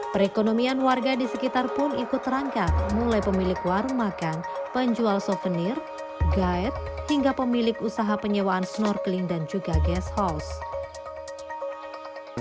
perekonomian warga di sekitar pun ikut terangkat mulai pemilik warung makan penjual souvenir guide hingga pemilik usaha penyewaan snorkeling dan juga guest house